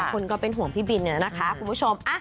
ก็เป็นห่วงพี่บินเนี่ยนะคะคุณผู้ชม